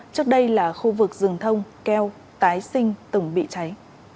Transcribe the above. trước đây là khu vực rừng thông keo tái sinh từng bị cháy